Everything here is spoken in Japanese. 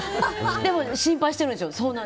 でも、心配してるんですよ。